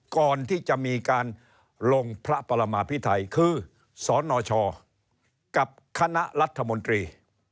ก่อนที่จะมีการลงพระปรมาพิไทยคือสนชกับคณะรัฐมนตรี